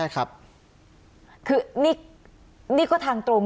คือนี่ก็ทางตรง